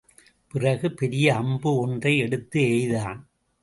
பிறகு பெரிய அம்பு ஒன்றை எடுத்து எய்தான்.